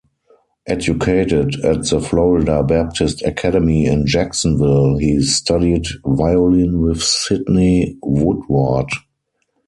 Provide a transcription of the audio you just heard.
Educated at the Florida Baptist Academy in Jacksonville, he studied violin with Sidney Woodward.